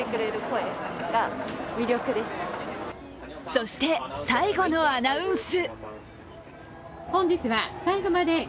そして、最後のアナウンス。